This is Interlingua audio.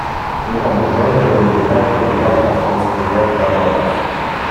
Io ha besonio de un libretto de notas pro scriber parolas.